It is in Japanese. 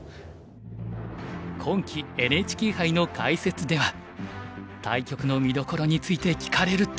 今期ＮＨＫ杯の解説では対局の見どころについて聞かれると。